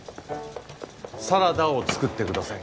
サラダを作ってください。